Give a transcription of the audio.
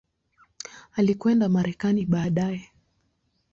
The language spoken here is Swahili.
Alikwenda Marekani baadaye.